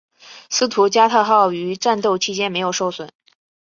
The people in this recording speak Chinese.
斯图加特号于战斗期间没有受损。